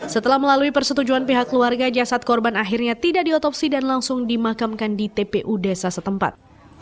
setelah melalui persetujuan pihak keluarga jasad korban akhirnya tidak diotopsi dan langsung dimakamkan di tpu desa setempat